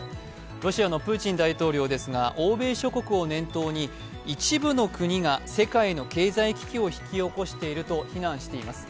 ロシアのプーチン大統領ですが欧米諸国を念頭に、一部の国が世界の経済危機を引き起こしていると非難しています。